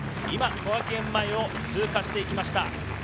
今、小涌園前を通過していきました。